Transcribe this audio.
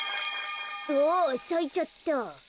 あっさいちゃった。